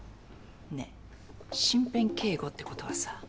ねえ身辺警護ってことはさ